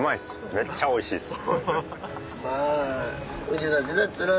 めっちゃおいしいっす。